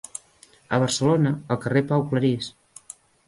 A Barcelona, al carrer Pau Clarís.